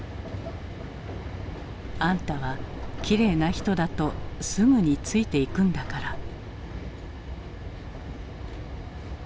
「あんたはきれいな人だとすぐについていくんだから」。